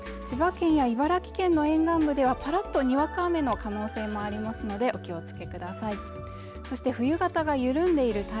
千葉県や茨城県の沿岸部ではパラッとにわか雨の可能性もありますのでお気をつけくださいそして冬型が緩んでいる